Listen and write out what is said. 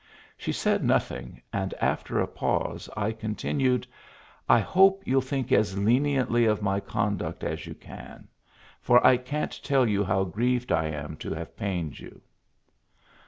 She said nothing, and, after a pause, I continued, "I hope you'll think as leniently of my conduct as you can, for I can't tell you how grieved I am to have pained you."